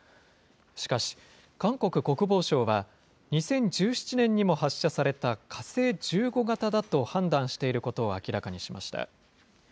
しかし、韓国国防省は、２０１７年にも発射された火星１５型だと判断していることを明らかにしました。